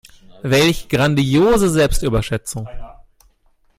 Welch grandiose Selbstüberschätzung.